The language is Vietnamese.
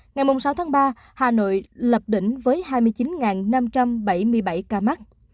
ngày sáu tháng ba hà nội lập đỉnh với hai mươi chín năm trăm bảy mươi bảy ca mắc